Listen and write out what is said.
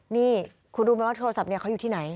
นี่คุณรู้ไหมว่าโทรศัพท์เนี่ยเขาอยู่ที่ไหน